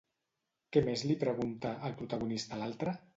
Què més li pregunta, el protagonista a l'altre?